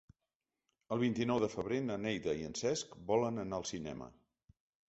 El vint-i-nou de febrer na Neida i en Cesc volen anar al cinema.